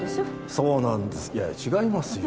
そうなんですいやいや違いますよ